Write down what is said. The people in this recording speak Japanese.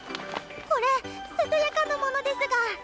これささやかなものですが。